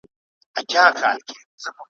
پر باقي مځکه یا کښت وي یا غوبل وي ,